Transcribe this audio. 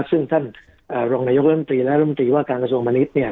ซึ่งท่านรองนายกเริ่มตรีและเริ่มตรีว่าการกระทรวงพนิษฐ์